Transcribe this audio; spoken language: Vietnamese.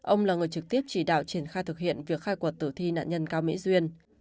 ông là người trực tiếp chỉ đạo triển khai thực hiện việc khai quật tử thi nạn nhân cao mỹ duyên